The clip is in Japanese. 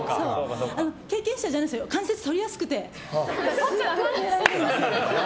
経験者じゃないと関節、取りやすくて。